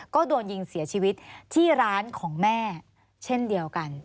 ก็โดนยิงเสียชีวิตที่ร้านของแม่เช่นเดียวกัน